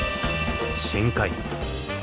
深海。